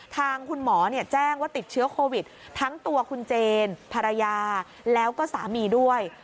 ทางคุณหมอแจ้งว่าติดเชื้อโควิดทั้งตัวคุณเจนภรรยาแล้วก็สามีด้วย